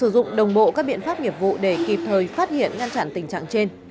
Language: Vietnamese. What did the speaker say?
sử dụng đồng bộ các biện pháp nghiệp vụ để kịp thời phát hiện ngăn chặn tình trạng trên